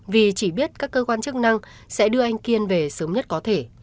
vì chỉ biết các cơ quan chức năng sẽ đưa anh kiên về sớm nhất có thể